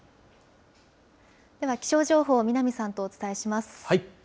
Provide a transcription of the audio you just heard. では、気象情報、南さんとお伝えします。